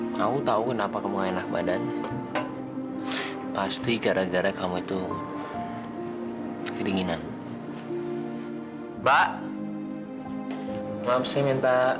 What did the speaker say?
mah kok belum pulang sih jam segini